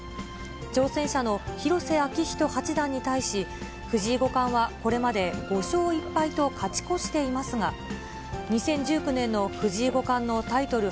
挑戦者の広瀬章人八段に対し、藤井五冠はこれまで５勝１敗と勝ち越していますが、２０１９年の藤井五冠のタイトル